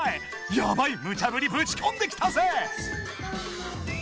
ヤバいムチャぶりぶち込んできたぜ］